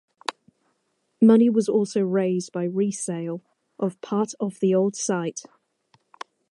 Money was also raised by resale of part of the old site.